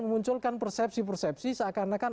memunculkan persepsi persepsi seakan akan